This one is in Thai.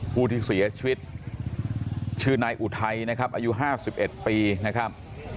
ผู้ที่เสียชีวิตชื่อนายอุทัยนะครับอายุ๕๑ปีนะครับ